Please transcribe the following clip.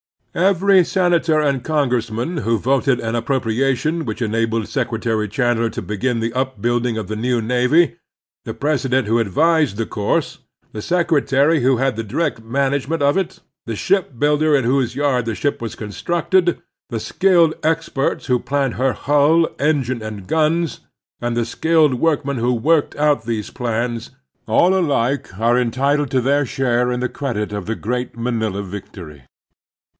Every sen ator and congressman who voted an appropriation which enabled Secretary Chandler to begin the upbuilding of the new navy, the President who Preparedness and Unpreparcdness 169 advised the cotirse, the secretary who had the direct management of it, the ship builder in whose yard the ship was constructed, the skilled experts who planned her hull, engine, and guns, and the skilled workmen who worked out these plans, all alike are entitled to their share in the credit of the great Manila victory.